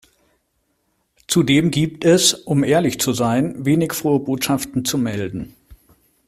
Zudem gibt es, um ehrlich zu sein, wenig frohe Botschaften zu melden.